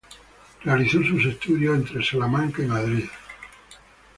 Realizó sus estudios en Salamanca y Madrid.